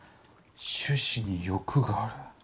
種子に翼がある。